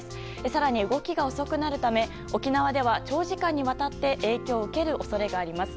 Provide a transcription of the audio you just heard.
更に動きが遅くなるため沖縄では長時間にわたって影響を受ける恐れがあります。